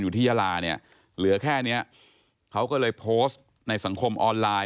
ที่ยาลาเนี่ยเหลือแค่เนี้ยเขาก็เลยโพสต์ในสังคมออนไลน์